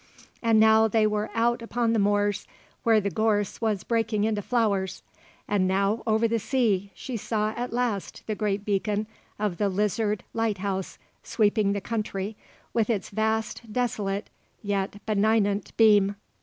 And now they were out upon the moors where the gorse was breaking into flowers; and now, over the sea, she saw at last the great beacon of the Lizard lighthouse sweeping the country with its vast, desolate, yet benignant beam.